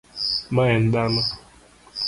ma en dhano